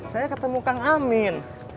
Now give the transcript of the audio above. saya ketemu kang amin